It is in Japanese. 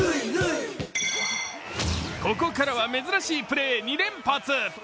ここからは珍しいプレー２連発。